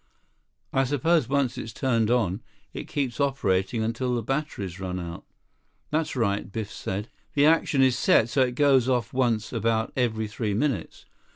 "I suppose once it's turned on, it keeps operating until the batteries run out." "That's right," Biff said. "Its action is set so it goes off once about every three minutes.